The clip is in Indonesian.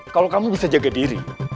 kalau kamu bisa jaga diri